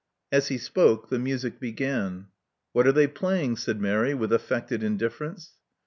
As he spoke, the music began. '*What are they playing?" said Mary with affected indifference.